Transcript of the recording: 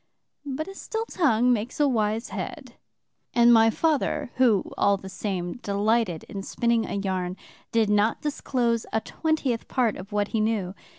But a still tongue makes a wise head, and my father, who, all the same, delighted in spinning a yarn, did not disclose a twentieth part of what he knew.